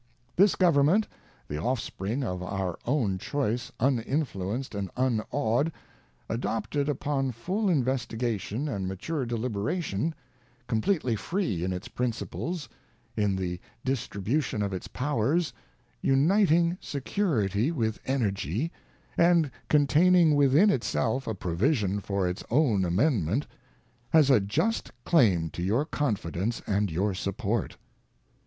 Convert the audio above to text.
ŌĆö This government, the .offspring of our own choice uninfluenced and iinawed, adopted upon full investigation and mature deliberation, completely free in its principles, in the distribution of its powers. WASHINGTON'S FAREWELL ADDRESS uniting security with energy, and containing within itself a provision for its own amend ment, has a just claim to your confidence and your support.